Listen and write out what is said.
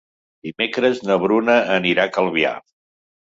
Dimecres na Bruna anirà a Calvià.